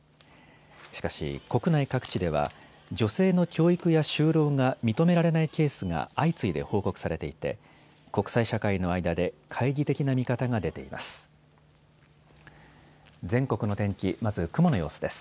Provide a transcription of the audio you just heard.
しかし国内各地では女性の教育や就労が認められないケースが相次いで報告されていて国際社会の間で懐疑的な見方が出ています。